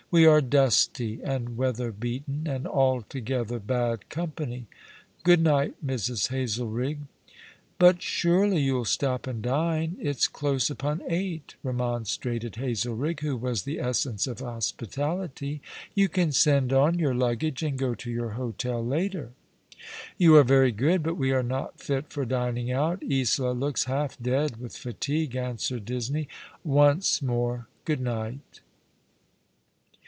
" We are dusty and weat'ier bcaten, and altogether bad company. Good night, Mrs. Hazelrigg." "But surely you'll stop and dine ; it's close upon eight," remonstrated Hazelrigg, who was the essence of hospitality. "You can send on your luggage, and go to your hotel later." " You are very good, but we are not tit for dining out. Isola looks half dead with fatigue," answered Disney. " Once more, good night."